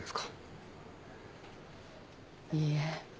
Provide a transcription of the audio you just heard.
いいえ。